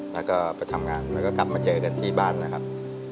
แล้วก็ไปทำงานแล้วก็กลับมาเจอกันที่บ้านนะครับ